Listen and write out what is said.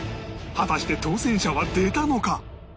果たして当せん者は出たのか？